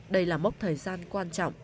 đây là mốc thời gian quan trọng